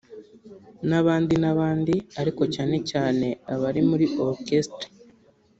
n’abandi n’abandi ariko cyane cyane abari muri Orchestre